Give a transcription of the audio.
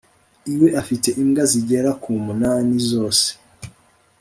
iwe afite imbwa zigera ku munani zose